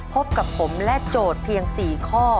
พบกับผมและโจทย์เพียง๔ข้อ